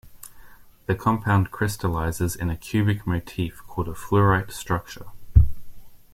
The compound crystallizes in a cubic motif called a fluorite structure.